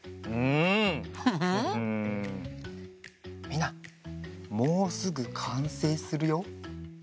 みんなもうすぐかんせいするよ。